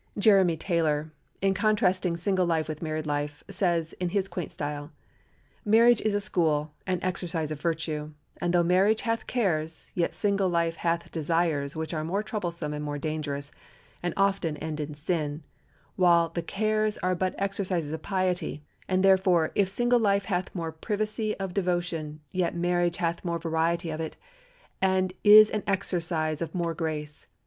Jeremy Taylor, in contrasting single life with married life, says, in his quaint style: "Marriage is a school and exercise of virtue, and though marriage hath cares, yet single life hath desires which are more troublesome and more dangerous, and often end in sin; while the cares are but exercises of piety, and therefore, if single life hath more privacy of devotion, yet marriage hath more variety of it, and is an exercise of more grace.